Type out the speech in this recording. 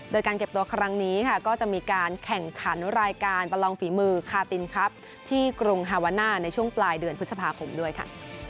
โดยการเก็บตัวครั้งนี้ค่ะก็จะมีการแข่งขันรายการประลองฝีมือคาตินครับที่กรุงฮาวาน่าในช่วงปลายเดือนพฤษภาคมด้วยค่ะ